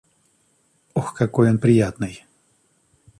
Ох, какой он приятный